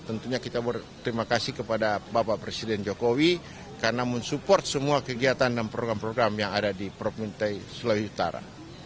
tentunya kita berterima kasih kepada bapak presiden jokowi karena mensupport semua kegiatan dan program program yang ada di provinsi sulawesi utara